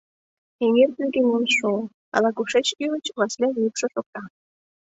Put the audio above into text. Эҥер деке миен шуо — ала-кушеч, ӱлыч, Васлийын йӱкшӧ шокта.